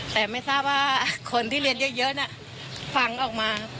แต่ไม่ทราบว่าคนที่เรียนเยอะน่ะฟังออกมา